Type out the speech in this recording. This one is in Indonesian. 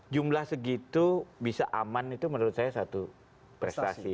jumlah segitu bisa aman itu menurut saya satu prestasi